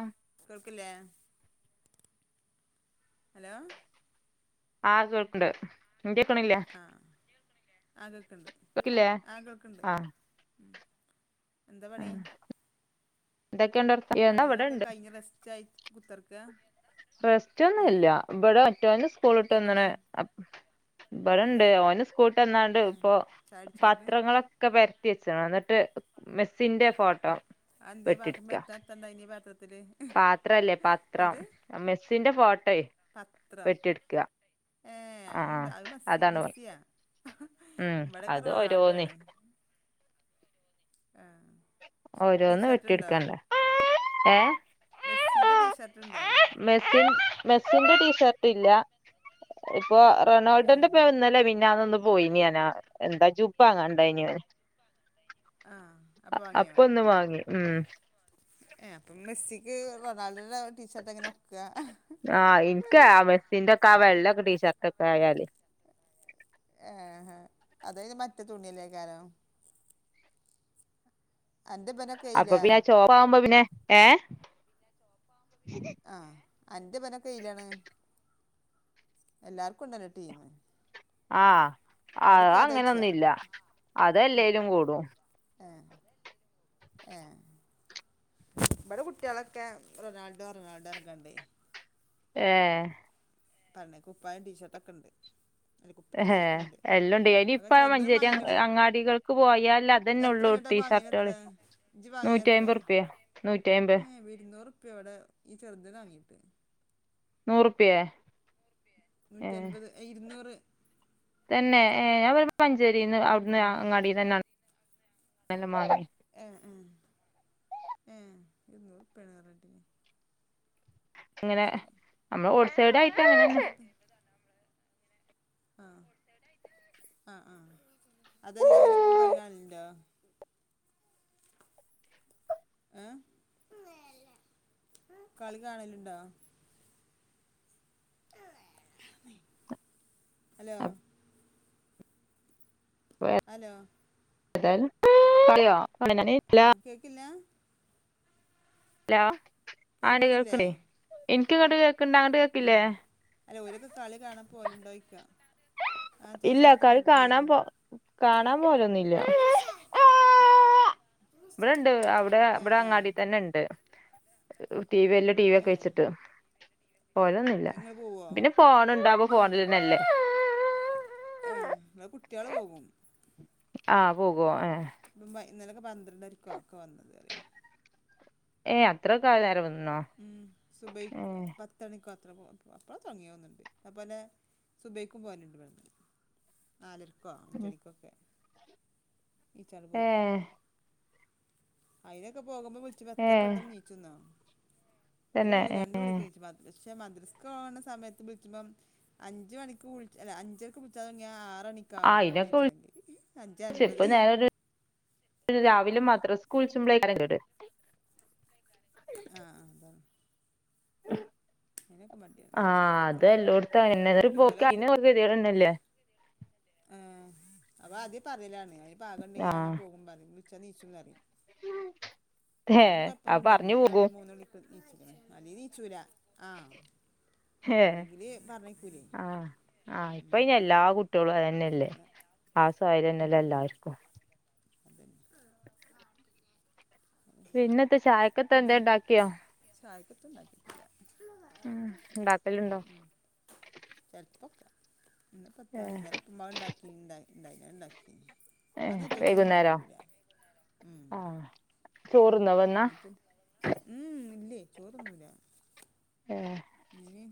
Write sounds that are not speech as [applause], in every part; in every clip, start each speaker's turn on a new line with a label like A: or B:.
A: ആഹ്
B: കേൾക്കില്ലേ ഹലോ
A: ആഹ് കേൾക്ക്ണ്ട് ഇന്റെ കേക്ക്ണില്ലേ
B: ആഹ് കേൾക്ക്ണ്ട്‌
A: കേക്കില്ലേ
B: ആഹ് കേക്ക്ണ്ട്
A: ആഹ്
B: ഉം എന്താ പണി
A: എന്തെക്കെണ്ട്
B: പണികളൊക്കെ കഴിഞ്ഞ് റസ്റ്റായി കുത്തറ്ക്കാ
A: റെസ്റ്റ് ഒന്നുല്ല ഇബടെ മറ്റൊന് സ്കൂള് വിട്ട്
B: കുട്ടിയൊക്കെവിടെ
A: വന്ന്ണ് അ ഇബടെണ്ട് ഓന് സ്കൂള് വിട്ട്ന്നാണ്ട്
B: ഏഹ്
A: ഇപ്പൊ
B: ചായുടിച്ചോ ന്നട്ട്
A: പത്രങ്ങളൊ ക്കെ പരത്തി വെച്ച്ണ് ഇന്നെട്ട് മെസ്സിന്റെ ഫോട്ടോ വെട്ടിട്ക്കാ
B: എന്തേനി പാത്രത്തില്
A: പാത്രല്ലേ പത്രം
B: എന്ത്
A: മെസ്സിന്റെ ഫോട്ടെ
B: പത്രം
A: വെട്ടിട്ക്ക
B: ഏഹ് അയിന്ണ്ട്
A: ആഹ്
B: അത് മെസ്സി
A: അതാണ് പണി
B: മെസ്സിയാ
A: ഉം
B: ഇവിടെക്കെ
A: അത്
B: റൊണാൾഡോ
A: ഓരോന്ന്
B: ആണ് ആഹ് ടീഷർട്ട്ണ്ടോ
A: ഏഹ്
B: മെസ്സിന്റെ ടീഷർട്ട്ണ്ടോ?
A: മെസ്സിൻ മെസ്സിന്റെ ടീഷർട്ട് ഇല്ല ഇപ്പൊ റൊണാൾഡോന്റെ
B: ഏഹ്
A: ഇപ്പം ഇന്നലെ മി മിനിഞ്ഞിന്നൊന്ന് പോയിനി ഞാന് ആ എന്താ ജുബ്ബ വാങ്ങാണ്ടായിനി ഓന്
B: ആഹ് അപ്പം വാങ്ങിയോ?
A: അപ്പൊ ഒന്ന് വാങ്ങി ഉം
B: ഏഹ് അപ്പം മെസ്സിക്ക് റൊണാൾഡോന്റെ ടീഷർട്ട് എങ്ങനെ ഒക്കാ
A: ആഹ് ഇന്ക്കാ മെസ്സിന്റോക്കെ ആ വെള്ളക്കെ ടീഷർട്ടൊക്കെ ആയാലെ
B: ഏഹ് ഹെ അതയിന് മറ്റെ തുണിയല്ലേക്കാരം അന്റെ ഇബനൊക്കെ
A: അപ്പൊ
B: എയിലാ
A: പിന്നെ ആ ചൊപ്പാവുമ്പം പിന്നെ ഏഹ്
B: ആഹ് അന്റെ ഇബനൊക്കെ ഏതിലാണ് എല്ലാർക്കുണ്ടല്ലോ ടീമ്
A: ആഹ് അത്
B: ഓലൊക്കെ ഏതായ്ച്ചാ
A: അങ്ങനെന്നുല്ല അതെല്ലേലും കൂടും
B: ഏഹ് ഏഹ് ഇബടെ കുട്ട്യേളൊക്കെ റൊണാൾഡോ പറഞ്ഞ്ക്കാണ്ട് എറങ്ങ്ണ്ടെ
A: ഏഹ്
B: പറഞ്ഞ് കുപ്പായും ടീഷർട്ടൊക്കെണ്ട്.
A: എല്ലും ഇണ്ട്
B: അതൊക്കെ
A: എനിയിപ്പം
B: ചെറുതിന്
A: മഞ്ചേരി അ
B: വാങ്ങിക്ക്ണേ
A: അങ്ങാടികൾക്ക് പോയാല്
B: എത്ര ഇങ്ങെട്ട് വാങ്യേന് എത്രേ ഇജ്ജ് വാങ്യേന്
A: നൂറ്റി
B: എത്രേ
A: അയ്മ്പറുപ്യ നൂറ്റി അയ്മ്പത്
B: ഏഹ് ഇര്ന്നൂറുപ്പ്യ ഇബടെ ഈ ചെറ്തിന് വാങ്ങീട്ട്
A: നൂറ്പ്യേ
B: നൂറ്റി അൻപത് ഏ ഇര്ന്നൂറ്
A: തന്നെ ഏഹ് ഞാന് ഇവന്പ്പോ മഞ്ചേരീന്ന് അവിടുന്ന്
B: ഏഹ്
A: അങ്ങാടി തന്നെയാണ് [inaudible] മാങ്ങിയെ
B: ഏഹ് ഏഹ് ഏഹ് ഇരുന്നൂറ്പ്യാണ് പറഞ്ഞേട്ടീനി
A: ഇങ്ങനെ നമ്മള് റോഡ്സൈഡായിട്ട് അങ്ങനെ
B: ആഹ് ആഹ് ആഹ് അതല്ല ഓലൊക്കെ കളി കാണലുണ്ടോ ഏഹ് കളി കാണലുണ്ടോ? ഹലോ
A: അപ്പൊ പോയോ
B: ഹലോ
A: [unintelligible]
B: കേക്കില്ലാ
A: ഹലോ ആടി
B: കേൾക്കണില്ലേ
A: കേൾക്ക്ണ്ട് ഇൻക്ക് ഇങ്ങട്ട് കേൾക്ക്ണ്ട് അങ്ങട്ട് കേൾക്കില്ലേ
B: ആഹ് അല്ല ഓലൊക്കെ കളി കാണാൻ പോവലുണ്ടോ ചോയ്ക്കാ ആഹ് ചെല
A: ഇല്ല
B: സമയത്ത്
A: കളി കാണാൻ
B: കേട്ടിട്ടില്ലേനിം
A: പോ കാണാൻ പോലൊന്നുല്ല ഇവിടെണ്ട് അവിടെ ഇവിടെ
B: ഏഹ്
A: അങ്ങാടി തന്നെണ്ട്. ടി വി വല്യ ടി വി ക്കെ
B: ഏഹ്
A: വെച്ചിട്ട് പോവലൊന്നും ഇല്ല
B: ഇങ്ങള് പോവോ
A: ഇതിന് ഫോണ് ഇണ്ടാവുമ്പോ
B: ഏഹ്
A: ഫോണില് തന്നെ ഇല്ലേ
B: ആഹ് അഹ് ഇവിടെ കുട്ട്യാള് പോകും
A: ആഹ് പോകോ ഏഹ്
B: ഇപ്പം ഇന്നലൊക്കെ പന്ത്രണ്ടരക്കോ ഒക്കെ വന്നത് ഓല്
A: ഏഹ് അത്ര ഒക്കെ ആയിലെ
B: ഉം സുബഹിക്ക് പ ത്തണിക്കോ അത്രക്കോ അപ്പളാ തുടങ്ങിയത് തോന്നുണ്ട് അതുപോലെ സുബയ്ക്കും പോവലുണ്ട് ഇവട്ന്ന് നാലണിക്കോ അഞ്ചണിക്കൊക്കെ നീച്ചാണ്ട് പോവും
A: ഏഹ്
B: അയ്നൊക്കെ പോകുമ്പോ വിളിച്ചുമ്പോ എത്ര
A: ഏഹ്
B: പെട്ടെന്ന് നീച്ചുന്നോ ഒരു
A: തന്നെ
B: വിളി
A: ഏഹ്
B: രണ്ട് വിളി. ക്ക്‌ നീച്ചും പക്ഷെ മദ്രസ്ക്ക് പോണ സമയത്ത് വിളിച്ചുമ്പം അഞ്ചു മണിക്ക് വിളിച് അല്ല അഞ്ചരക്ക് വിളിച്ചാൽ തുടങ്ങിയാ ആറ് മണിക്ക്
A: ആഹ്
B: ക്കാവും
A: അയിനൊക്കെ
B: നീച്ചണെങ്കിൽ അഞ്ച്
A: വിളിച്ച് ഇപ്പൊ
B: അൻപത്
A: നേരെ ഒരു രാവിലെ മദ്രസ്ക്ക് വിളിച്ചുമ്പളയ്‌ക്കാരം [unintelligible]
B: ആഹ് ആഹ് അതാണ് അയിനൊക്കെ മടിയാണ്
A: ആഹ്
B: നീച്ചാനൊക്കെ
A: അത് എല്ലോട്ത്തും അങ്ങനെന്നെ ഒരു
B: അല്ലെങ്കി ഓലെ
A: പോക്കിന് അപ്പൊ ഒരു കെതേട് തന്നെ അല്ലെ
B: ഏഹ് അപ്പൊ ആദ്യെ പറേലാണ് അയ്ന് പാകണ്ടേ ഞാൻ
A: ആഹ്
B: പോകും പറയും വിളിച്ചാ നീച്ചും പറയും ഇന്നൊന്നും
A: ഏഹ്
B: കൊഴപ്പൊന്നും
A: അത്
B: ഇണ്ടായില്ല
A: പറഞ്ഞു
B: ഇന്നൊക്കെ
A: പോകും
B: രണ്ടും മൂന്ന് വിളിക്ക് നീച്ച്ക്ക്ണ്‌ അല്ലേ നീച്ചൂലാ ആഹ്
A: ഏഹ്
B: അല്ലെങ്കില് പറഞ്ഞയക്കൂലെയ് ഉം
A: കുട്ടിയോളും അതന്നെയല്ലേ
B: അതാണ്
A: ആ [unintelligible]
B: ഉം
A: തന്നെയല്ലേ
B: ഉം
A: എല്ലാർക്കും
B: അതന്നെ
A: പിന്നെത്താ ചായക്കെത്താ എന്തേ ഇണ്ടാക്കിയോ?
B: ചായക്കൊത്തും ഉണ്ടാക്കിയിട്ടില്ല
A: ഉം ഇണ്ടാക്കലുണ്ടോ
B: ഉം ചെലപ്പൊക്കെ ഇന്ന് ഇപ്പെത്താ
A: ഏഹ്
B: ഇന്നലെ ഉപ്പുമാവ് ഉണ്ടാക്കി ഉണ്ടായിനിം അത് ഇണ്ടാക്കീനിം
A: ഏഹ്
B: അത്റ്റക്ക്
A: വൈകുന്നേരോ
B: മടിയൂല വൈകുന്നേരോ ഉം
A: ആഹ് ചോറ്ന്നോ അവൻ
B: ഊം ഉം ഇല്ലേ ചോറ്ന്നൂല്ല
A: ഏഹ്
B: ഇനി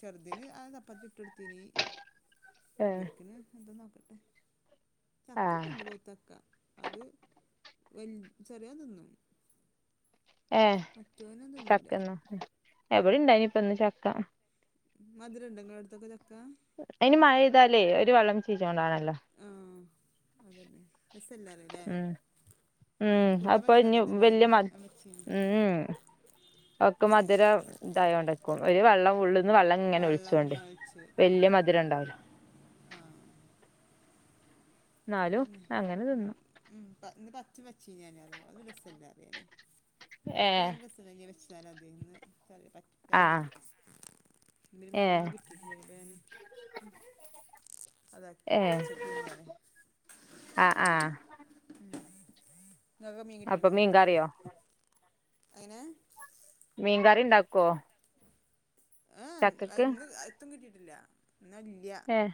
B: ചെറുതിന് ആ ചപ്പാത്തി ചുട്ട് കൊട്ത്ത് ത്തീനിം
A: ഏഹ്
B: ഇവർക്കിന്ന് എന്താ നോക്കട്ടെ ചക്ക
A: ആഹ്
B: ഒക്കെണ്ട് പഴുത്ത ചക്ക അത് വൽ ചെറിയോൻ തിന്നും
A: ഏഹ്
B: മറ്റോനും തിന്നൂല
A: ചക്കന്നോ ഇവിടിം ഇണ്ടായിനി ഇപ്പന്ന് ചക്ക
B: മധുരണ്ടൊ നിങ്ങടെ അടുത്തൊക്കെ ചക്ക
A: ഇനി മഴ പെയ്താലേ ഒരു വെള്ളം ചീഞ്ഞ് കൊണ്ടാണല്ലോ
B: ആഹ് അതന്നെ രസല്ലറല്ലേ
A: ഉം ഉം അപ്പൊ ഇനി വല്യ മ
B: അമ്മച്ചി
A: ഉം ഒക്കെ
B: രസമല്ലാറും
A: മധുരം ഇതായ കൊണ്ടാക്കും ഒരു വെള്ളം ഉള്ളന്ന് വെള്ളം
B: ആ
A: ഇങ്ങനെ
B: വെള്ളങ്ങ
A: ഒളിച്ചോണ്ട് വല്യ മധുരണ്ടാവില്ല
B: ആഹ്
A: എന്നാലും അങ്ങനെ
B: അതന്നെ
A: തിന്നു
B: ഉം ഇന്ന് പച്ച വച്ചി ഞാനൻ അതും രസല്ല അറിയാനേ മറ്റ
A: ഏഹ്
B: നല്ല
A: ആഹ് ഏഹ്
B: [unintelligible] [unintelligible] [unintelligible] ഇ അത
A: ഏഹ്
B: ഇച്ചെക്ക നയേ
A: ആഹ് ആഹ്
B: നിങ്ങക്ക് മീൻ കിട്ടീ
A: അപ്പൊ
B: ണോ
A: മീൻകറിയോ
B: അയ്നെ
A: മീൻകറി ഉണ്ടാക്കോ
B: ആഏഹ അന്ന് അത്തും കിട്ടിയിട്ടില്ല എന്ന
A: ഏഹ്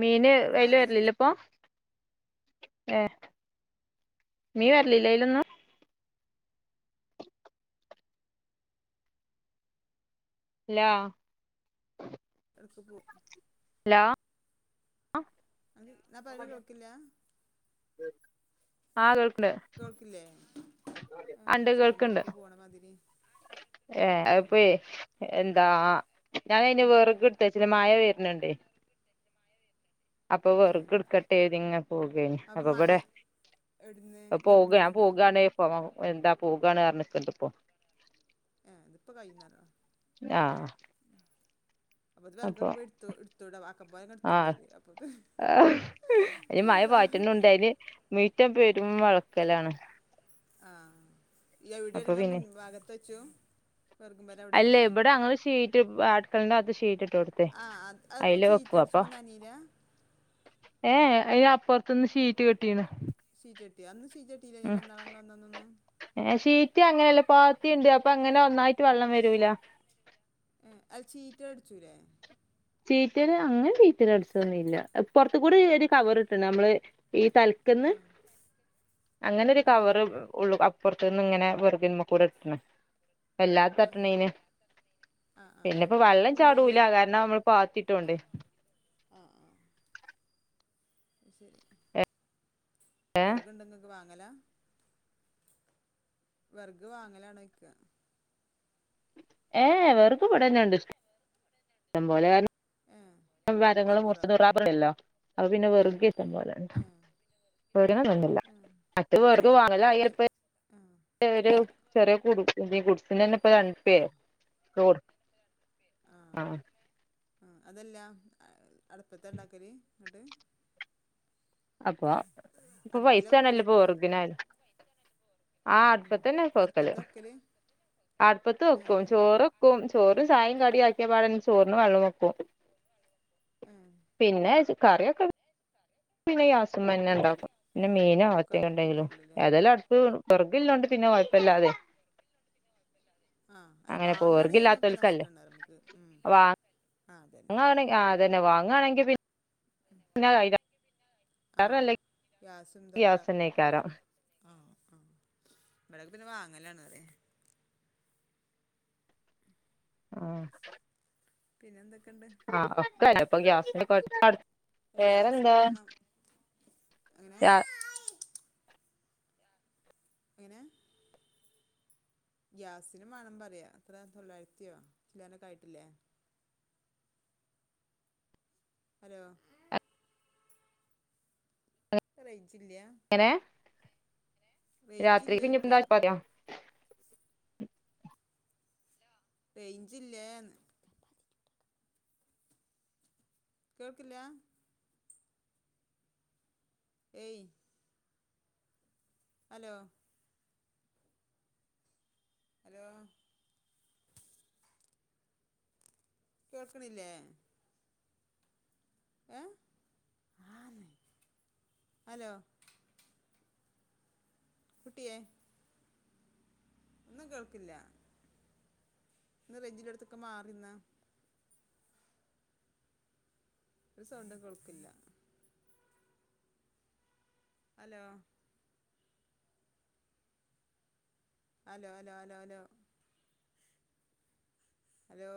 A: മീന് അയലെ
B: സാധനല്ല
A: വരലല്ല ഇപ്പൊ ഏഹ് മീൻ വരലില്ല ആയിലൊന്നും ഇല്ല
B: [unintelligible]
A: ഹലോ ആഹ്
B: അ ഞാൻ പറഞ് കൊളക്കില്ല
A: ആഹ് കേൾക്ക് ണ്ട്
B: കേൾക്കില്ലേ ആ
A: ആഹ് ണ്ട്
B: സോണിൻ്റെ
A: കേൾക്കിണ്ട്
B: ഇടക്ക് പോണ മാതിരി
A: ഏഹ്
B: ആ
A: അയിപ്പയെ എന്താ ഞാൻ അതിന്
B: ഉം
A: വെറക് എടുത്തവെച്ചില്ല മഴ വരണണ്ട്. അപ്പൊ
B: ആ
A: വെറക് എടുക്കട്ടെ നിങ്ങ പോകയ് നി
B: അപ്പം
A: അപ്പൊ
B: മായ
A: ഇവിടെ
B: എവിടുന്ന്
A: പോക
B: വെറുകും
A: ഞാ
B: വരെയെന്നോ
A: പോകാണ് ഇപ്പൊ എന്താ പോകാണ് പറഞ്ഞിക്കണ്ട് ഇപ്പൊ
B: ആഹ് ഇതിപ്പോ കഴുന്നരണോ
A: ആഹ്
B: അപ്പൊ [unintelligible] എടുത്തോഎട്ത്തൂട് ആക്കം പോലെ ങ്ങ്എടുത്തണ്ടോര് [unintelligible]
A: അതിന് മഴപാറ്റുന്ന കൊണ്ട്, അതിന് മുറ്റം പെരുംവഴുക്കലാണ്.
B: ആഹ് എവിടെണ്
A: അപ്പൊ
B: ങ്ങ മുൻ
A: പിന്നെ
B: ഭാഗത്ത് വെച്ചു വെറക് പുര
A: അല്ല. ഇവിടെ അങ്ങള് ഷീറ്റ്, അളുക്കളന്റെ ഭാഗത്ത് ഷീറ്റ് ഇട്ട് കൊടുക്കും
B: ആഹ് അതിപ്പോ ഷീറ്റ് അടിച്ചുമ്പം നനയൂല്ലാ.
A: ഹേയ്, അയിന് അപ്പുറത്തു നിന്ന് ഷീറ്റ് കെട്ടീന്
B: ഷീറ്റ് കെട്ടിയോ, അന്ന് ഷീറ്റ് കെട്ടിയിട്ടില്ലാരുന്നല്ലോ ന്നാള് ഞങ്ങള് വന്ന അന്നൊന്നും.
A: ഏ, ഷീറ്റ് അങ്ങനെയല്ല പാത്തിയുണ്ട്. അപ്പൊ അങ്ങനെ ഒന്നായിട്ട് വെള്ളം വരൂലാ
B: ഏ അത് ചീറ്റൽ അടിച്ചൂല്ലേ
A: ചീറ്റൽ അങ്ങനെ ചീറ്റല് അടിച്ചൊന്നും ഇല്ല. പുറത്ത് കൂടി ഒരു കവർ ഇട്ടിന് നമ്മള്. ഈ ത ക്ക്ന്ന്..
B: ആഹ്
A: അങ്ങനൊരു
B: ആഹ്
A: കവറ് ഉള്ളൂ പുറത്തു നിന്ന് ഇങ്ങനെ വെറുതെ മുമ്പിൽ കൂടെ ഇടണ്. വെല്ലാതെ
B: ആഹ്
A: തട്ടണതിന്,
B: ആഹ് ആഹ് ആഹ്
A: പിന്നെപ്പോ വെള്ളം
B: ഉള്ളില്
A: ചാടൂല അത് കാരണം ന്ന നമ്മള് പാത്തിട്ടോണ്ട്
B: ആഹ് ആഹ് ശരി വെറക് ഉണ്ടോ ഇങ്ങക്ക്, വാങ്ങണോ അല വെറക് വാങ്ങലാണോന്ന് ചോയ്ക്ക.
A: ഏഹ് എ. വെറക് ഇവെടെന്നെണ്ട്. ഇഷ്ടംപോലെ കാരണം.
B: ഏഹ്
A: ഇപ്പം മരങ്ങള്
B: റബ്ബറോ
A: മുറിച്ചിണ ഒരാ [unintelligible] ഇല്ലല്ലൊ. അപ്പൊ പിന്നെ വെറക് ഇഷ്ടം പോലെണ്ട്.
B: ഏഹ്
A: വാങ്ങേണ്ടി വന്നില്ല.
B: ഏഹ്
A: മറ്റ്
B: ഇങ്ങള്
A: വെറെക്
B: ചോറൊക്കെ എൽ
A: വാങ്ങലായപ്പ
B: ആഹ് ഗ്യാ
A: ചെറ്യേ ഗുഡ്സ് ഗുഡ്സിനെന്നെ ഇപ്പം രണ്ടുർപ്യെ
B: ആഹ് ആഹ് ആ. അതല്ല അടുപ്പത്ത് ഇണ്ടാക്കല്. ഇന്നട്ട്.
A: അപ്പൊ. ഇപ്പൊ പൈസ
B: അടുപ്പിലാ
A: ആണല്ലപ്പൊ
B: വെക്കലോയ്ക്കാ
A: വെറകിന് ആയാലും. ആ
B: ഉം
A: അടുപ്പത്തന്നെ ഒക്ക വെക്കല്.
B: അടുപ്പത്താ
A: അടുപ്പത്ത്
B: ഏഹ്
A: വെക്കും.
B: ഏഹ്
A: ചോറ് വെക്കും. ചോറ്, ചായയും കടിം ആക്കിയ പാടെന്നെ ചോറിന് വെള്ളം വെക്കും.
B: ഏഹ്
A: പിന്നെ കറ്യാെക്കെ പിന്നെ ഗ്യാസുമ്മന്നെ
B: കുക്കറിൽ
A: ഇണ്ടാക്കും. പിന്നെ മീനോ,
B: കുക്കർ
A: എത്തേങ്കിലും ഇണ്ടെങ്കിലും.
B: കുക്കറിലല്ലേ
A: ഏതായാലും അടു വിറക്ള്ളോണ്ട് പിന്നെ കൊഴപ്പല്ലാതെ.
B: ആഹ്. അല്ല
A: അങ്ങനെ പോവും
B: വാങ്ങാണെങ്കിൽ അതൊക്കെ നഷ്ട
A: വിറകില്ലാത്തോൽക്കല്ലേ
B: ഇണ്ടാവ നമുക്ക്. ഉം. ആ. അതെ
A: അങ്ങനെ. ആ അതന്നെ വാങ്ങാണെങ്കിൽ പിന്നെ. [unintelligible]
B: ആ
A: അയിലേറെ നല്ലത്
B: ഗ്യാസും ഇതൊക്കെ.
A: ഗ്യാസന്നേക്കാരം
B: ആഹ്. ആഹ്. ഇവിടൊക്കെ പിന്നെ വാങ്ങലാണ് പറ്യ.
A: ആഹ്
B: പിന്നെ എന്തൊക്കെണ്ട്.
A: ആഹ് ഒക്കല്ലത്. ഇപ്പൊ ഗ്യാസിന്റെ [unintelligible] വേറെന്താ
B: ഗ്യാസിനും വേണം എങ്ങനെ
A: ഗ്യാ
B: എങ്ങനെ ഗ്യാസിനും വേണംന്ന് പറയാ. എത്രെ തൊള്ളായിരത്ത്യാെ, ചില്ലാനൊക്കെ ആയിട്ടില്ലെ. ഹലോ. റെയ്ഞ്ചില്ലാ.
A: എങ്ങനെ രാത്രി
B: റേഞ്ചില്ലേയ്ക്ക
A: പിന്നെന്താ ചപ്പാത്ത്യാേ.
B: റേയ്ഞ്ചില്ലേന്ന്. കേൾക്ക്ല്ലാ. ഏയ്. Hello hello. കേൾക്കണ്ല്ലെ. ഏഹ്. ആന്ന്. ഹലൊ. കുട്ട്യേ. ഒന്നും കേൾക്ക്ല്ല. ഒന്ന് റെയ്ഞ്ചില്ലോട്ത്ത്ക്ക് മാറിന്നാ. ഒരു സൗണ്ടും കേൾക്ക്ല്ല. Hello hello, hello, hello hello. Hello.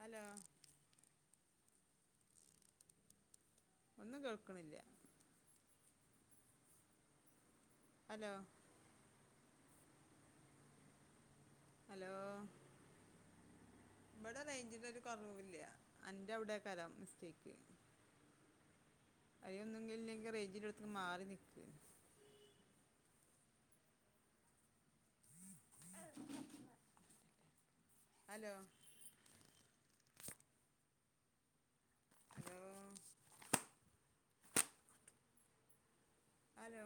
B: Hello. ഒന്നും കേൾക്ക്ണ്ല്ല. Hello, hello. ഇബെടെ റെയ്ഞ്ചിനൊരു കൊറവൂല്ല. അന്റവ്ടേക്കാരം മിസ്റ്റേക്ക്. ഇയ്യൊന്നൂല്ലെങ്കി റേഞ്ചില്ലോട്ത്ത്ക്ക് മാറി നിക്ക്. [unintelligible] Hello hello hello